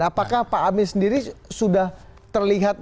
apakah pak amin sendiri sudah terlihat